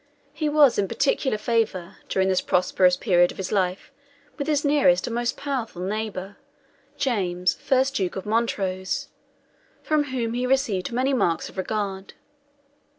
He was in particular favour, during this prosperous period of his life, with his nearest and most powerful neighbour, James, first Duke of Montrose, from whom he received many marks of regard.